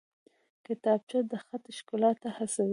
کتابچه د خط ښکلا ته هڅوي